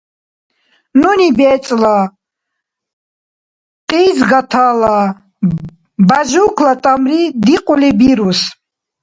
Нуни БецӀла, Кьиз гатала, Бяжукла тӀамри дикьули бирус